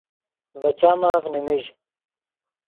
ڤے چامف نیمیژ